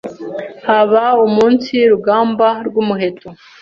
haba umunsi rugamba rw’umuheto,